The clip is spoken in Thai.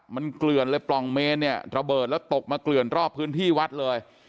มันเกลื่อนเลยปล่องเมนเนี่ยระเบิดแล้วตกมาเกลื่อนรอบพื้นที่วัดเลย